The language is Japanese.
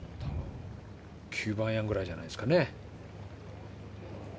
９番アイアンぐらいじゃないですかね。